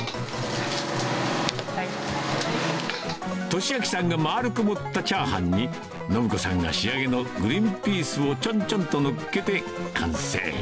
利昭さんがまあるく盛ったチャーハンに、申子さんが仕上げのグリーンピースをちょんちょんとのっけて完成。